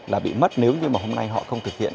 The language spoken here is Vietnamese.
là bị mất nếu như mà hôm nay họ không thực hiện